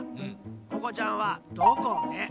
ここちゃんは「どこで」